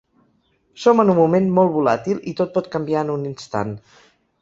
Som en un moment molt volàtil i tot pot canviar en un instant.